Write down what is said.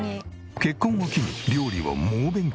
結婚を機に料理を猛勉強。